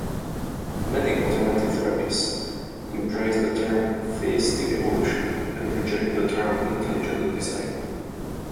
Many Conservative Rabbis embrace the term theistic evolution, and reject the term intelligent design.